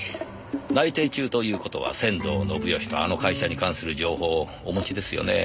内偵中という事は仙道信義とあの会社に関する情報をお持ちですよねえ。